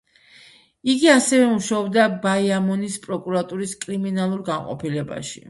იგი ასევე მუშაობდა ბაიამონის პროკურატურის კრიმინალურ განყოფილებაში.